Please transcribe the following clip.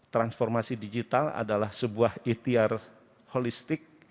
transformasi digital adalah sebuah ikhtiar holistik